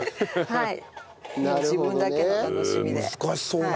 はい。